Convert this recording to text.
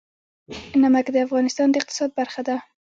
نمک د افغانستان د اقتصاد برخه ده.